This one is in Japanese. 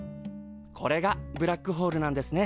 これがブラックホールなんですね。